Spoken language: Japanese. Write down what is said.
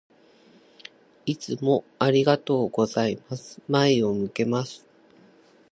いつもありがとうございます。前を向けます。